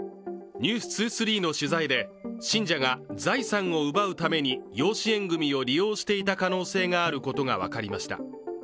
「ｎｅｗｓ２３」の取材で、信者が財産を奪うために養子縁組を利用していた可能性があることが分かりました。